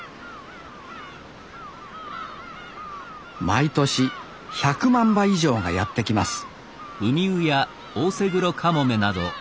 毎年１００万羽以上がやって来ます